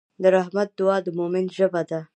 د رحمت دعا د مؤمن ژبه ده.